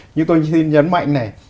nhưng tôi xin nhấn mạnh này